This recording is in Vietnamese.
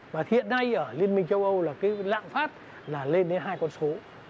và hiện nay ở liên minh châu âu là lạng phát lên đến hai con số